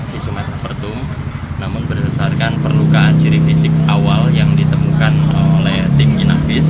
visumepertum namun berdasarkan perlukaan ciri fisik awal yang ditemukan oleh tim inavis